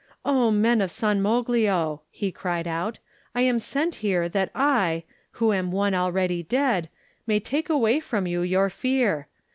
"O men of San Moglio," he cried out, "I am sent here that I, who am one already dead, may take away from you your fear.